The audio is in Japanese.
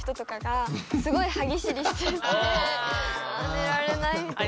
寝られないみたいな。